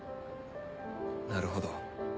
なるほど。